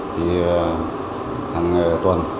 thì hàng tuần